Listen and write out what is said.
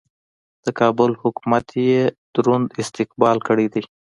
د کابل حکومت یې دروند استقبال کړی دی.